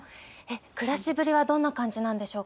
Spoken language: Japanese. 暮らしぶりはどんな感じなんでしょうか？